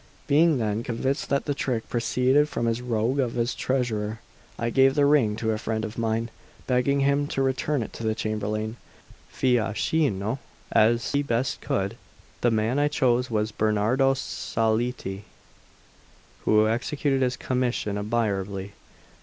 Being then convinced that the trick proceeded from his rogue of a treasurer, I gave the ring to a friend of mine, begging him to return it to the chamberlain, Fiaschino, as he best could. The man I chose was Bernardo Saliti, who executed his commission admirably.